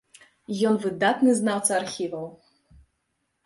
Ён выдатны знаўца архіваў.